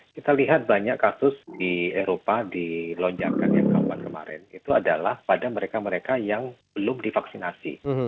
kita lihat banyak kasus di eropa di lonjakan yang rawan kemarin itu adalah pada mereka mereka yang belum divaksinasi